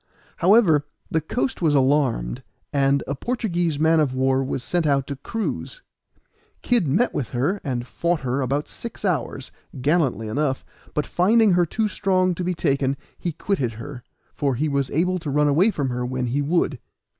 However, the coast was alarmed, and a Portuguese man of war was sent out to cruise. Kid met with her, and fought her about six hours, gallantly enough; but finding her too strong to be taken, he quitted her, for he was able to run away from her when he would.